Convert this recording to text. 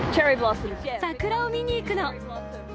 桜を見に行くの。